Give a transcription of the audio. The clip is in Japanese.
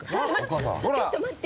ちょっと待って。